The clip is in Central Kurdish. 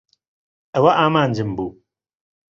ئەوە ئامانجم بوو.